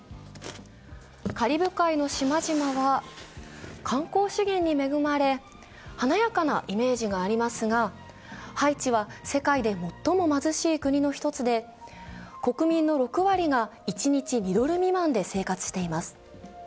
カリブ海の島々は観光資源に恵まれ、華やかなイメージがありますが、ハイチは世界で最も貧しい国の１つで国民の６割が一日２ドル未満で生活しています。